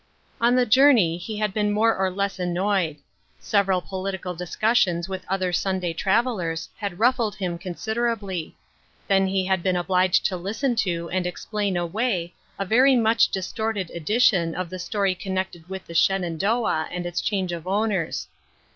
On the journey he had been more or less an noyed ; several political discussions with other Sunday travelers had ruffled him considerably ; then he had been obliged to 'listen to and explain away a very much distorted edition of the story connected with the Shenandoah and its change of owners.